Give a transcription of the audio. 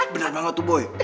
bener banget tuh boy